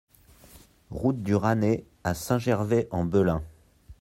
Route du Rasnay à Saint-Gervais-en-Belin